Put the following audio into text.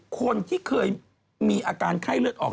คนที่เคยมีอาการไข้เลือดออก